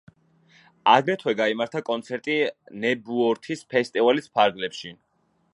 აგრეთვე გაიმართა კონცერტი ნებუორთის ფესტივალის ფარგლებში.